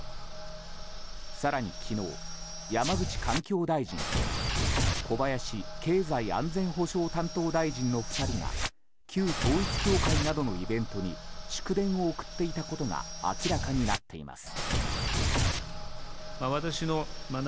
更に昨日、山口環境大臣と小林経済安全保障担当大臣の２人が旧統一教会などのイベントに祝電を送っていたことが明らかになっています。